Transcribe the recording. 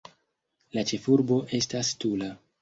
La ĉefurbo estas Tula.